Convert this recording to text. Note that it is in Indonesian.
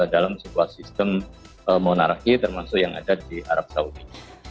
dalam sebuah sistem monarki termasuk yang ada di arab saudi